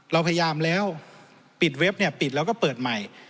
เราพยายามแล้วปิดเว็บเนี่ยปิดแล้วก็เปิดใหม่